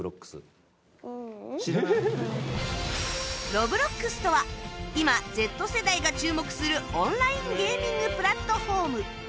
Ｒｏｂｌｏｘ とは今 Ｚ 世代が注目するオンラインゲーミングプラットフォーム